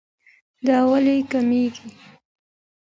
دا ولې کميږي